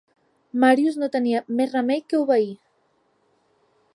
Marius no tenia més remei que obeir.